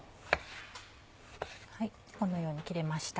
このように切れました。